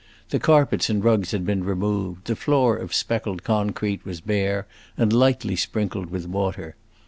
The carpets and rugs had been removed, the floor of speckled concrete was bare and lightly sprinkled with water.